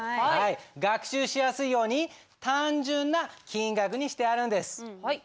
学習しやすいように単純な金額にしてあるんです。